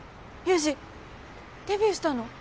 ユウジデビューしたの！？